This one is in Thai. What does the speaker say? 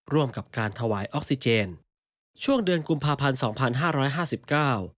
ร่วมกับการถวายออกซิเจนช่วงเดือนกุมภาพันธ์สองพันห้าร้อยห้าสิบเก้า